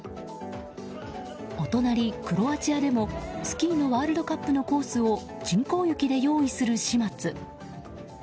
お隣クロアチアでも、スキーのワールドカップのコースを人工雪で用意する始末。